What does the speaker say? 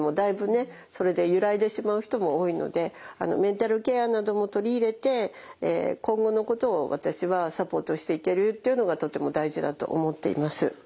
それで揺らいでしまう人も多いのでメンタルケアなども取り入れて今後のことを私はサポートしていけるっていうのがとても大事だと思っています。